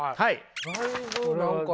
だいぶ何か。